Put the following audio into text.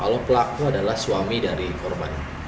kalau pelaku adalah suami dari korban